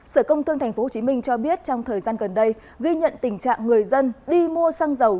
sở công thương tp hcm cho biết trong thời gian gần đây ghi nhận tình trạng người dân đi mua xăng dầu